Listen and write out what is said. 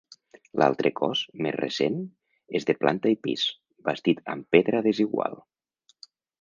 L'altre cos, més recent, és de planta i pis, bastit amb pedra desigual.